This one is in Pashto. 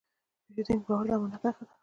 د پیرودونکي باور د امانت نښه ده.